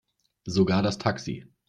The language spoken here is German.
Sogar das Taxi.